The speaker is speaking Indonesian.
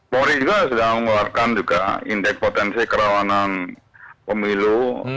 polri juga sudah mengeluarkan juga indeks potensi kerawanan pemilu